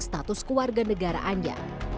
status keluarga negaraannya